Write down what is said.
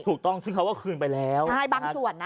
ถูกต้องซึ่งเขาก็คืนไปแล้วใช่บางส่วนนะ